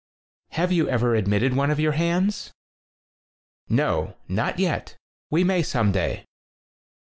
"Have you ever admitted one of your hands?" "No, not yet. We may some day."